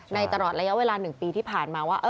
ตลอดระยะเวลา๑ปีที่ผ่านมาว่า